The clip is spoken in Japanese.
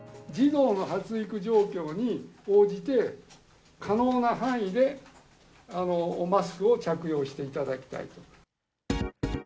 児童の発育状況に応じて、可能な範囲でマスクを着用していただきたいと。